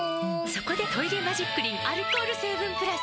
そこで「トイレマジックリン」アルコール成分プラス！